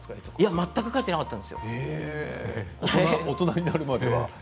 全く描いていなかったん大人になるまでは？